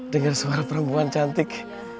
dengar suara perempuan cantik